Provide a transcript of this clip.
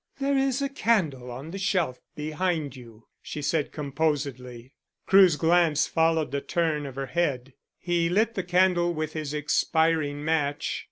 "There is a candle on the shelf behind you," she said composedly. Crewe's glance followed the turn of her head; he lit the candle with his expiring match.